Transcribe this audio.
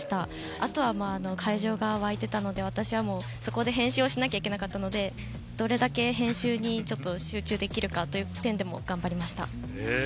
あとは会場が沸いていたので、私はそこで編集をしなければならなかったので、どれだけ編集に集中できるかという点でも頑張りました。